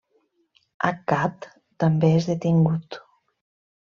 Accad també és detingut.